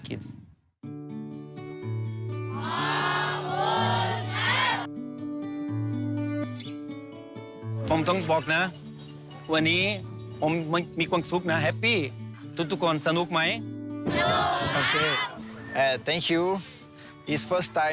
ขอบคุณครับเป็นครั้งแรกที่มาโรงพยาบาล